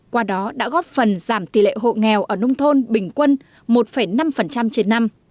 qua đó đã góp phần giảm tỷ lệ hộ nghèo ở nông thôn bình quân một năm trên năm